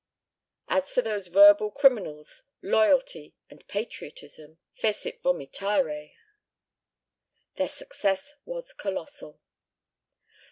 As for those verbal criminals, "loyalty" and "patriotism" fecit vomitare. Their success was colossal.